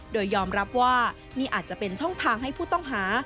โดยยอมรับว่านี่อาจจะเป็นช่องทางให้ผู้ต้องหา